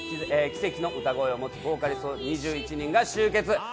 奇跡の歌声を持つボーカリスト２１人が集結。